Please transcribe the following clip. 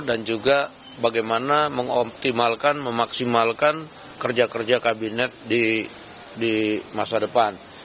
dan juga bagaimana mengoptimalkan memaksimalkan kerja kerja kabinet di masa depan